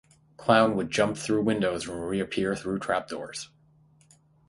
Clown would jump through windows and reappear through trap doors.